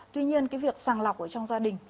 tuy nhiên cái việc sàng lọc trong gia đình